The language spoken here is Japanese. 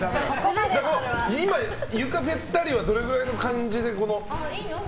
今、床べったりはどのくらいの感じで？